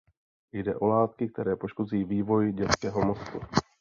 Jde o látky, které poškozují vývoj dětského mozku.